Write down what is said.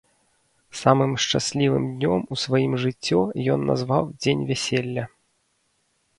Самым шчаслівым днём у сваім жыццё ён назваў дзень вяселля.